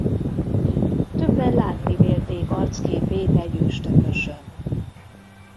Többen látni vélték arcképét egy üstökösön.